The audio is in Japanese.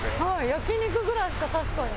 焼き肉ぐらいしか確かに。